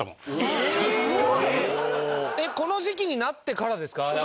すごい！この時期になってからですか？